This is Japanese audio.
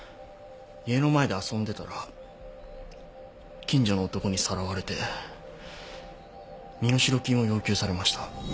家の前で遊んでたら近所の男にさらわれて身代金を要求されました。